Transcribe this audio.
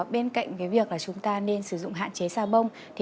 bên cạnh việc chúng ta nên tránh sử dụng các loại xà phòng tắm